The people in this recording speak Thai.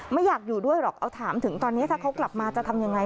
ไม่อยากอยู่ด้วยหรอกเอาถามถึงตอนนี้ถ้าเขากลับมาจะทำยังไง